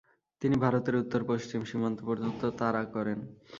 তিনি ভারতের উত্তর-পশ্চিম সীমান্ত পর্যন্ত তারা করেন।